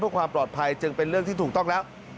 เพื่อความปลอดภัยจึงเป็นเรื่องที่ถูกต้องแล้ว